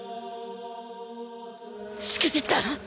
しくじった！